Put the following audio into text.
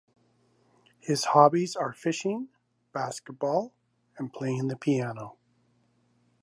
His hobbies are fishing, basketball, and playing the piano.